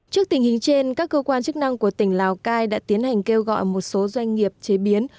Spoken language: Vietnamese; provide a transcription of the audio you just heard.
trước tình hình trên các cơ quan chức năng của tỉnh lào cai đã tiến hành kêu gọi một số doanh nghiệp chế biến